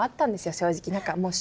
正直。